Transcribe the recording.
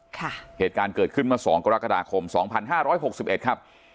เหตุการณ์เกิดขึ้นเมื่อสองกรกฎาคมสองพันห้าร้อยหกสิบเอ็ดครับ